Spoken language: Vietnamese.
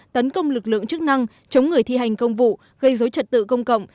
tấn công lực lượng chức năng chống người thi hành công vụ gây dối trật tự công cộng